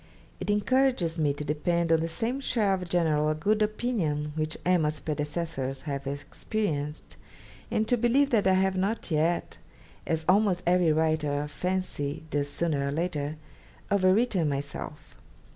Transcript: It encourages me to depend on the same share of general good opinion which "Emma's" predecessors have experienced, and to believe that I have not yet, as almost every writer of fancy does sooner or later, overwritten myself.